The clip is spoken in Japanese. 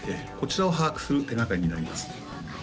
こちらを把握する手がかりになります